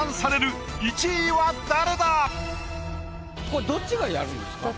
これどっちがやるんですか？